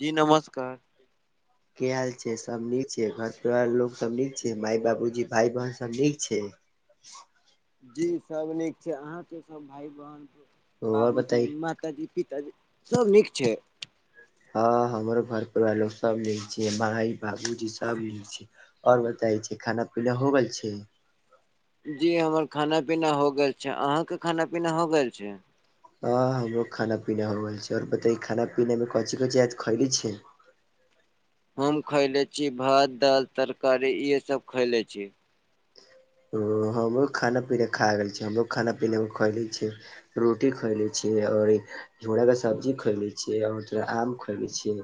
जी नमस्कार। की हाल छै, सब नीक छै, घर-परिवार लोग सब नीक छै, माय बाबुजी भाय, बहिन सब नीक छै। जी सब नीक छै, अहां के सब भाय, बहन, और बाबूजी, बताई मा ताजी, पिताजी सब नीक छै। हां हमरो घर-परिवार लोक सब नीक छियै, माई बाबूजी सब नीक छै और बताई छै खाना-पीना हो गेल छै। जी हमर खाना-पीना हो गेल छै, अहां के खाना-पीना हो गेल छै। हां हमरो खाना-पीना हो गेल छै और बताई खाना-पीना मे कौन चीज-कौन चीज आज खैली छै। हम खैले छी भात, दाल, तरकारी इहे सब खैले छी। हां हमरो खाना-पीना खा गेल छी, हमरो खाना-पीना खएले छियै। रोटी खयले छीयै और ई झोड़ा का सब्जी खैले छियै और तोरा आम खैलै छियै।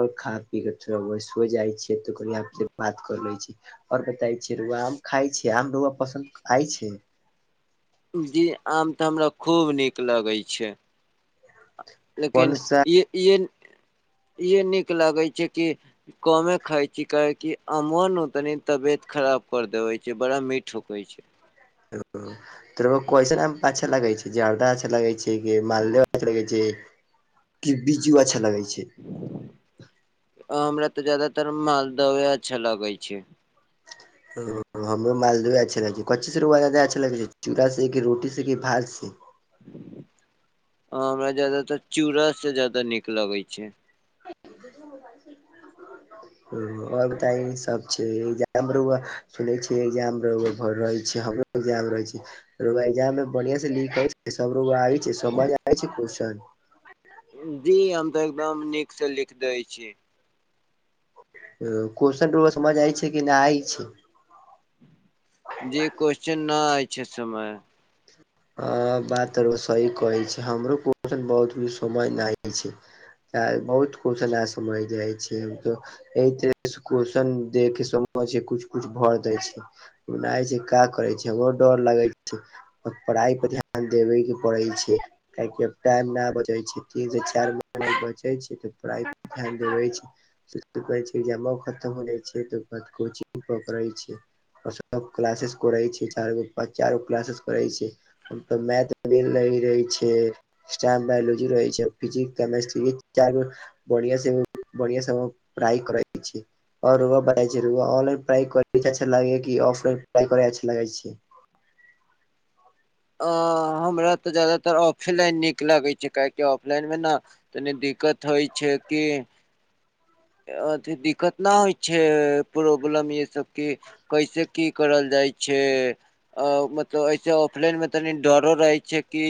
और खा पीके थोड़ा बहुत सोय जाय छियै तऽ कनि आप से बात कर लै छी। और बताई छीये रौउआ आम खाय छीये, आम रौउआ पसन्द आय छै। जी आम तऽ हमरा खूब नीक लागे छै। कोन लेकिन सा ई इहे इहे नीक लागै छै कि कमे खाय छी, काहेकि अमवा नु तनी तबियत खराब कर देबै छै, बड़ा मीठ होकै छै। ओ त रौउवा कैसन आम अच्छा लगे छै, जर्दा अच्छा लगे छै। ए कि मालदेव अच्छा लगै छै कि बिजू अच्छा लगै छै। आ हमरा तऽ जादातर मालदोए अच्छा लागै छै। ओ हमरो मालदोए अच्छा लागै छै, कच्चीस रौउआ जादा अच्छा लगै छै, चूड़ा से की, रोटी से, की भात से। हां हमरा जादातर चूड़ा से जादा नीक लगै छै। [unintelligible] अ और बताई ने सब छै इग्जाम रौउवा सुनै छीये इग्जाम रौउवा भर रहल छी हमु [unintelligible] रहै छै। रौउवा इग्जाम मे बढ़ियाँ से लिखे सब रौउवा आबै छै, समझ आबै छै क्वेश्चन। जी हम तऽ एकदम नीक से लिख दै छी। अ क्वेश्चन के रौउवा समझ आइ छै कि ना आई छै। जी क्वेश्चन ना आई छै समय हां बात त रौउवा सही कहै छै, हमरो क्वेश्चन बहुत भी समझ ना आई छै। ता बहुत क्वेश्चन ना समझ जाय छै हम तो एक तरह से क्वेश्चन दे के समझे छीये, कुछ-कुछ भर देै छै। उ ना आय छै का करै छै, हमरो डोर लागै छै। पढ़ाई पर ध्यान देबे के पड़ै छै। काहेकि अब टाइम ना बचै छै, तीन से चाएर महिना बचै छै तऽ पढ़ाई पर ध्यान देबै छै। [unintelligible] कहै छै इग्जामवा खतम हो जाय छै तऽ ओकर बाद कोचिंग पकड़ै छै। और सब क्लासेस करै छै, चारगो पा चारगो क्लासेस करै छै। हम तऽ मैथ दिन नहि रहै छै। एस्ट्रा मे बायलॉजी रहै छै, फिजिक्स, केमेस्ट्री चारगो बढ़िआं से बढ़िआं से हम पढाई करैत छी। आओर रउआ बताइ जे रउआ के ऑनलाइन पढाई करे में अच्छा लागे छै कि ऑफलाइन पढाई करै में अच्छा लागै छै? अ हमरा तऽ ज्यादातर ऑफेलाइन नीक लागै छै काहेकि ऑफलाइन मे ना तनि दिक्कत होइ छै कि अथी दिक्कत ना होइ छै प्रॉब्लम ई सबके कैसे की करल जाइ छै अ मतलब ऐसे ऑफलाइन में तनी डरो रहे छै कि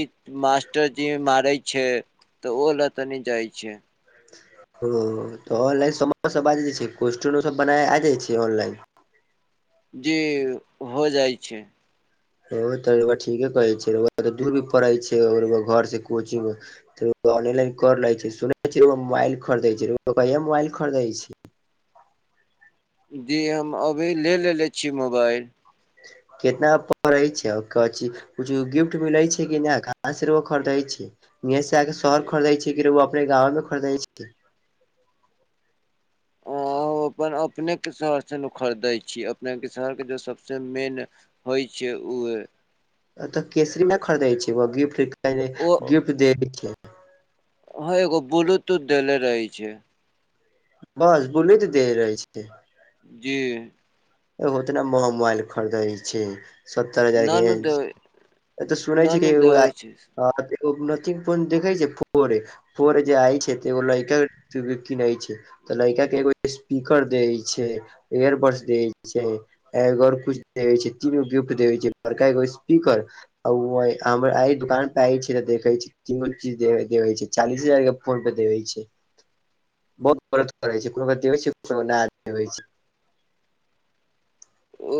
मास्टरजी मारै छै तऽ ओ लऽ तनी जाइ छै। ओ तऽ ऑनलाइन [unintelligible] कोस्चनो सब बनाय आ जाइ छै ऑनलाइन? जी हो जाइ छै। ओ तऽ रउआ ठीके कहै छैऽ रउआ के दूर भी पड़ै छै रउआ घर से कोचिंग तऽ रउआ ऑनलाइने कर लै छी, सुनै छी रउआ मोबाइल खरदै छी। रउआ इसे मोबाइल खरदै छी? जी हम अभी ले लेलेे छी मोबाइल। केतना पडै छै [unintelligible] कुछो गिफ्ट मिलै छै कि ना, कहाँ से रउआ खरदै छी? इहें से आके शहर खरदै छी कि रउआ अपने गाँव मे खरदै छी? ओ अपन अपनेके शहर से नु खरदै छी अपनेके शहरके जे सबसे मेन होई छै उहे अतऽ केसरी मे खरीदै छै [unintelligible] गिफ्ट गिफ्ट देै छै हँ एगो ब्लूटूथ देले रहै छै। बस ब्लुटुथ देले रहै छै। जी ए ओतना मोबाइल खरीदै छी सत्तर हजार न के [unintelligible] न दे एतऽ सुनै न छै कि न देबै छै [unintelligible] फोर जे आई छै त ओ लइका [unintelligible] छै तऽ लड़ का के एगो स्पीकर दे छै इयरबड्स दे छै एगो आर कुछ दे छै तीन गो गिफ्ट दे छै बड़का एगो स्पीकर ओ हम अइ दुकान पे आय छी तऽ देखै छी इ छै चालीस हजार फोन पे देइ छै बहुत वरत करै छै [unintelligible] ओ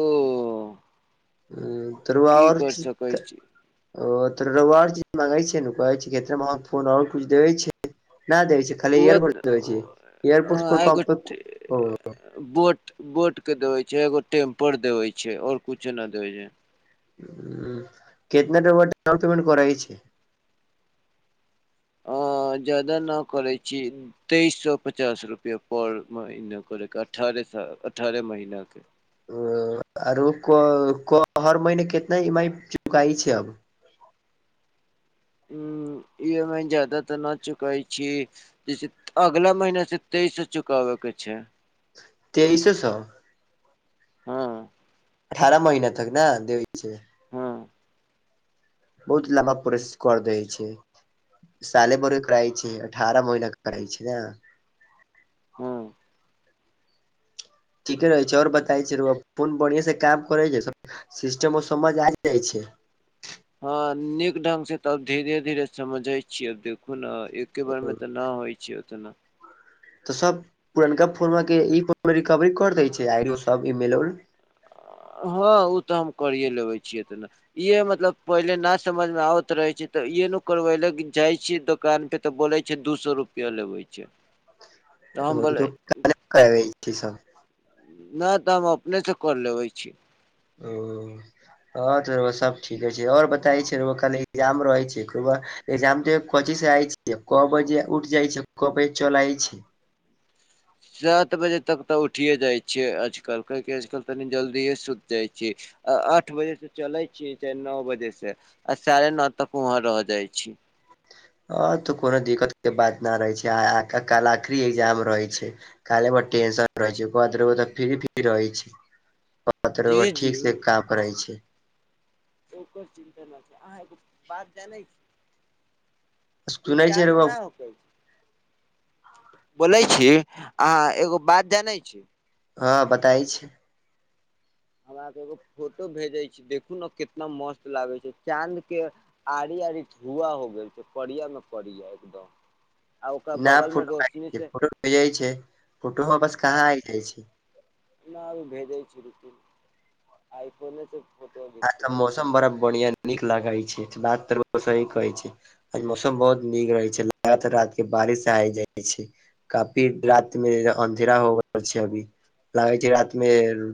तरुआ की और कर सकै चिकेन छी ओ तो रउआ आर चीज मांगे छे नु कहै छै ते महग फोन आओर कुछ देे छै ना दै छै खाली ओहो इयरबड्स दै छै ह इयरबड्स एगो टे [unintelligible] बोट बोट के देवे छै एगो टेम्पर देवे छै और कुछो ना देवे ह केतना रउआ डाउन पेमेंट करइ छी? अ जादा ना करै छी। तेइस सए पचास रुपआ पर महीना करे के अठारह सा अठारह महिना के ओ आरो हर महीने केतना ई एम आई चुकाई छी अब ऊं ई एम आई ज्यादा तऽ न चुकाई छी जैसे अगला महिना से तेइस सए चुकाबे के छै। तेइसे सए हँ अठारह महिना तक ना देबे के छै। हँ बहुत लम्बा प्रोसेस कर दै छैय। साल बरब करइ छै अठारह महिना के करइ छैय ने हँ ठीके रहै छैय और बताइ छी रौआ फोन बढ़िया से काम करे छैय, सिस्टम समझ आ जाइ छैय। हँ नीक ढंग से तऽ अब धीरे-धीरे समझे छियै अब देखु ने एकके बारे मे तऽ न होइ छैय ओतना। तऽ सब पुरनका फोन मे के ई फोन मे रिकवरी कर दै छैय आो सब आइड ईमेल उ हँ ओ तऽ हम करिये लेबे छियै ते उतना। इहे मतलब पहिले ना समझ में आबत रहे छै ते इे न करवे ले जाय छीे दुकान पे तऽ बोलै छैय दू सए रुपया लेबे छैय। ओ [unintelligible] कहै छैय सब नहि तऽ हम अपने से क लेबै छी। ओ। हँ तो सब ठीके छैय और बताय छैय खाली इगजाम रहे छैय खुबा। एकजाम देब कची से आय छियै, क बजे उठ जाइ छी, क बजे चल आइ छी। सात बजे तक तऽ उठि जाइ छियै आजकल काहि की आजकल तनि जल्दि सुति जाइ छिय। आठ बजे से चले छीये चाहे न बजे से आ साढ़े नौ तक वहाँ रह जाइ छी। ह तऽ कोनो दिक्कत के बात न रहे छैय आ काल आखरी एग्जाम रहै छैय। काल हमर टेंसन ठीक रहे छैय बंद रहे छैय फिरी फिरी रहे छि जी जी ठीक से काम करै छैय। ओकर चिन्ता नहि छैयअहाँ एगो बात जानै छी। जे सुनै चाह छै ने रउआ न होकै। बोलै छी अहाँ एगो बात जानै छी। हँ बताइ छैय। हम अहाँ के एगो फोटो भेजे छी देखू ने कितना मस्त लागे छैय चाँद के आड़ आड़ी धुआ हो गेल छैय पड़ियामे पड़िया एकदम आ ओकरा न बगल मे फोटो रोशनी छैय, से फोटो भेज छैय, फोटो बस कहाँ आ जाइ छैय। माल भेजै छैय रूकू आइफोने से फोटो घीच आए के त भेजै मौसम बड़ा बढ़िया नीक लगै छैय, बात तऽ सही कहै छैय। आए मौसम बहुत नीक रहे छैय, लगातार रात के बारिश आय जाइ छैय। काफी रात मे अन्धेरा हो छैय अभी। लागै छैय रात मे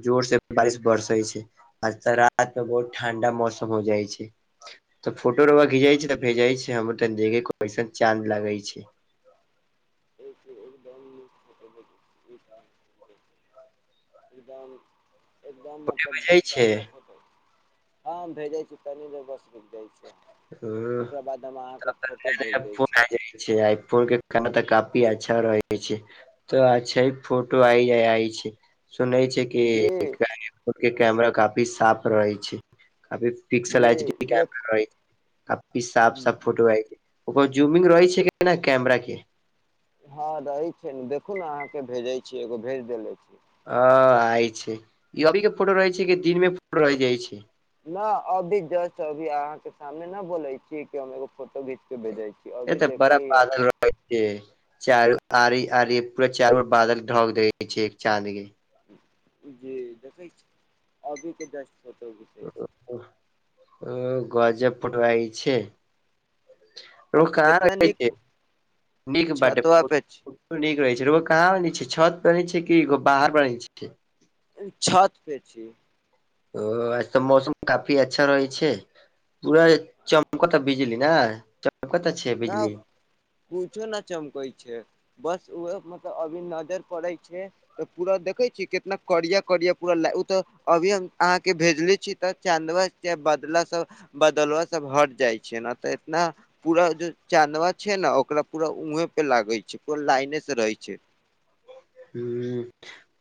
जोर से बारिश बरसै छैय, आज तऽ आज तऽ बहुत ठंडा मौसम हो जाइ छैय। तऽ फोटो रौआ खिचई छैय त भेज छैय हमर तसन चाँद लगे छैय। [unintelligible] [inaudible] एकदान एकदम फोटो मतलब भेजै छै बढ़िआँ ख होटै हँ भेजै छी तनी ज बस जाइ छी। ओकरा बाद हम अहाँके फोटो भेज दै हो छी जाइ छैय आइ फोन के एमे तऽ काफी अच्छा रहै छैय। तऽ अच्छा फोटो आ आइ छैय सुनै छैय। के जी आइफोन के कैमरा काफी साफ रहै छैय काफी। पिक्सल जी एच केमरा रहहि छैय। कि साफ देख साफ फोटो आ ओकर जूमिंग रहै छैय कैमरा के हँ रहै छैय ने देखू ने अहाँके भेजै छियै एगो भेज देेले छी। आ आय छैय ई अभी के फोटो रहै छैय कि दिन मे फोटो रहि जाइ छैय। न अभी जस्ट अभी अहाँ के सामने न बोले छिय कि, हम एगो फोटो खिच के भेजे छी। ए अभी तऽ बड़ा देखली ह पागल रह ओके, चारू आड़ि आड़ि पूरा चारर बादल ढक द छै चाँद के। जी देखै छी, अभीे के जसट फोटो छी ओ ओ गजा फोटो आभे छै। आ ओ कितना कहै नीक छै, नीक बटे छतवा पे छी नीक रहे छैगो, कहाँ पर रहै छै छत पर छै कि बाहर मे रहै छै। छत पे छी। ओ आज तऽ मौसम काफी अच्छा रहै छै। पूरा चमकता बिजली ने, चमकता छै न बिजली। कुछो न चमकै छै, बस ऊहे मतलब अभी नजर पड़ै छै। तऽ पूरा देखै छी, कितना करिया -करिया पूरा ला, ओ तऽ अभी हम अहाँके भेजले छी तऽ, चाँदवा बदला सब, बदलब सब हट जाइ छै, ने तऽ इतना पूरा ज चाँदवा छै ने, ओकरा पूरा ऊहें पे लागे छै, पूरा लाइने से रहे छै। हुं,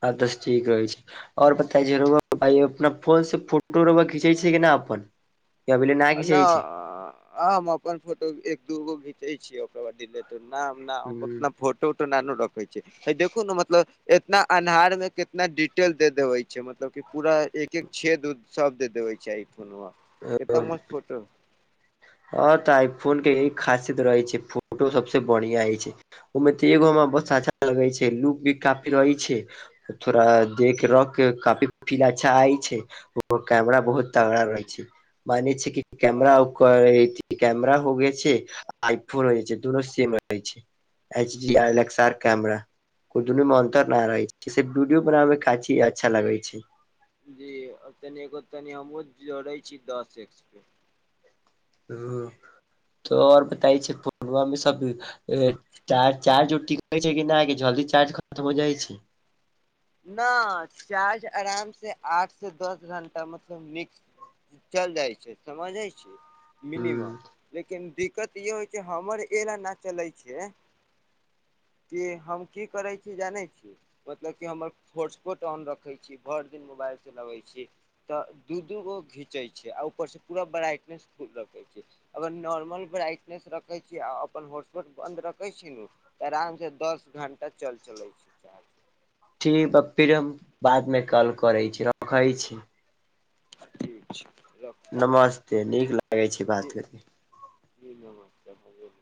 आ तस ठीक अछि। आओर बतायै, अपना फोन से फोटो रउवा खीचै छियै कि न अपन। कि अभीले ना खिचै छै नहि हम अपन फोटो एक दूगो घिचै छियै, अपन अथि लै। त हूं उतना फोटो -उटो ना रखै छै। देखू ने मतलब, इतना अन्हार मे कितना डिटेल दे देबे छै, मतलब कि पूरा एक- एक छेद उद शब्द देखबे छै, आइफोन कतना मस्त फोटो ह तऽ आइ फोन के यी खासियत रहैत छै, फोटो सबसे बढ़िया होय छै। ओहिमे तऽ एगो हमरा ब अच्छा लगे छै, लुक भी काफी रहै छै। थोड़ा देख रख काफी फील अच्छा आइ छै। ओ कैमरा बहुत तगड़ा रहै छै, माने छै कि ह कैमरा ओ कैमराा होय छै, आइफोन हो छै, दुनो सेम रह छै। HD ए्स R camera. कोइ दुनू में अंतर न रहे छै, सिर्फ वीडियो बनाब मे काछी अच्छा लगे छै। जी, तनि एगो तनि हमहु जोड़े छी, दस एक्स पे। ह तऽ आओर बताय छै, पूर्णमामे सब चार चार्ज ओर ठीकै छै, कि नहि जल्दी चार्ज खतम हो जाइ छै। न चार्ज आराम से आठ से दस घंटा, मतलब मिक्स चल जाइ छै, समझइ छै मिनिमम। ह लेकिन दिक्कत इह होइ छै, हमर एल न चले छै। कि हम की करै छी जानै छी? मतलब कि हमर हटस्पोट ऑन रखे छी, भरि दिन मोबाइल चलबे छी तऽ दू दूगो घींचे छै, आ ऊपर से पूरा ब्राइटनेस रखे छै। अगर नॉर्मल ब्राइटनेस रखे छी, अपन होटट बंद रखे छी नु आराम से दस घण्टा चल चलै छै। ठीक ह फिर हम बाद मे कॉल करै छी, रखै छी। ठीक छै रखू। नमस्ते नीक लागैत छै, बात करी। ई नमसा भ